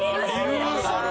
いる！